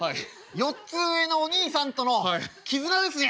４つ上のお兄さんとの絆ですね」。